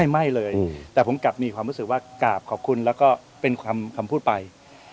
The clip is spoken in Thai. ไม่เลยแต่ผมกลับมีความรู้สึกว่ากราบขอบคุณแล้วก็เป็นคำพูดไป